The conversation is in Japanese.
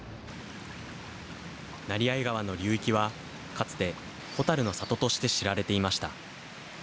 成相川の流域はかつてホタルの里として知られていました。